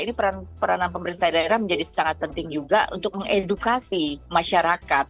ini peranan pemerintah daerah menjadi sangat penting juga untuk mengedukasi masyarakat